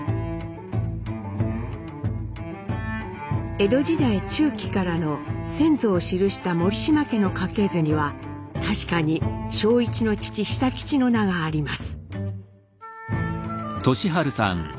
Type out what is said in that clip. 江戸時代中期からの先祖を記した森島家の家系図には確かに正一の父久吉の名があります。